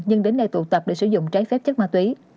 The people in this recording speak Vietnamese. nhưng đến nay tụ tập để sử dụng trái phép chất ma túy